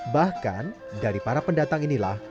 bahkan dari para pendatang inilah